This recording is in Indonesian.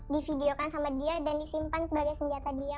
divideokan sama dia dan disimpan sebagai senjata dia